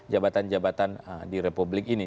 jabatan jabatan di republik ini